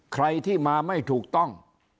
ใครที่มาไม่ถูกต้อง